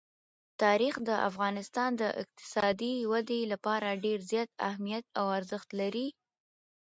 تاریخ د افغانستان د اقتصادي ودې لپاره ډېر زیات اهمیت او ارزښت لري.